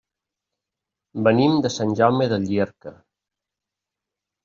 Venim de Sant Jaume de Llierca.